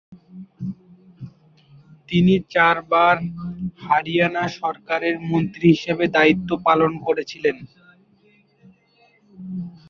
তিনি চারবার হরিয়ানা সরকারের মন্ত্রী হিসেবে দায়িত্ব পালন করেছিলেন।